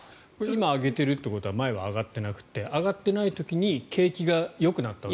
今上げているということは前は上がっていなくて上がってない時に景気がよくなったと？